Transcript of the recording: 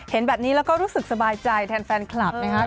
เห็นแบบนี้แล้วก็รู้สึกสบายใจแทนแฟนคลับนะครับ